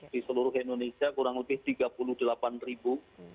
di seluruh indonesia kurang lebih tiga puluh delapan ribu